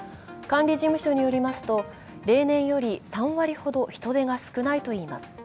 管理事務所によりますと例年より３割ほど人出が少ないといいます。